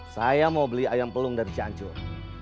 saya mau beli ayam pelung dari cianjur